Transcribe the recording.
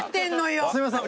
すいません。